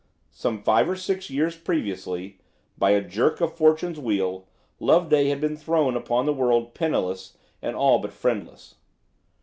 Some five or six years previously, by a jerk of Fortune's wheel, Loveday had been thrown upon the world penniless and all but friendless.